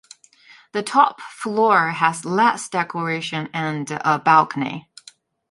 The top floor has less decoration and a balcony.